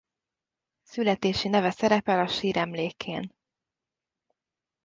Születési neve szerepel a síremlékén.